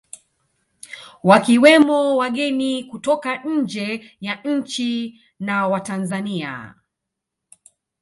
Wakiwemo wageni kutoka nje ya nchi na Watanzania